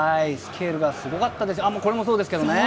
スケールがすごかったです。